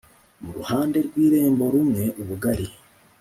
Mu ruhande rw irembo rumwe ubugari